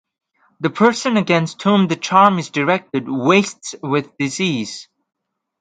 The person against whom the charm is directed wastes with disease.